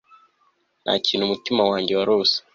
ntakintu umutima wanjye warose